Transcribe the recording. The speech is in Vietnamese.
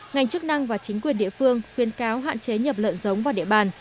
ngành chức năng và chính quyền địa phương khuyên cáo hạn chế nhập lợn giống vào địa bàn